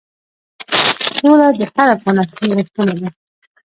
سوله د هر افغان اصلي غوښتنه ده.